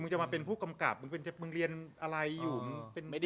มึงจะมาเป็นผู้กำกับมึงเรียนอะไรอยู่มึงเป็นไปไม่ได้